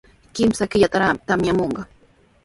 Kimsa killataraqmi tamyamushqa.